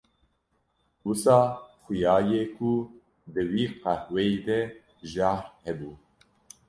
Wisa xwiya ye ku di wî qehweyî de jahr hebû.